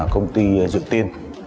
công ty dự tiên